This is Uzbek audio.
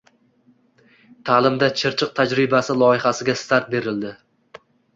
“Ta’limda Chirchiq tajribasi" loyihasiga start berildi